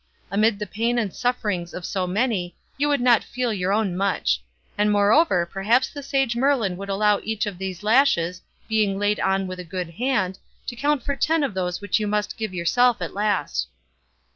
Amid the pain and sufferings of so many you would not feel your own much; and moreover perhaps the sage Merlin would allow each of these lashes, being laid on with a good hand, to count for ten of those which you must give yourself at last."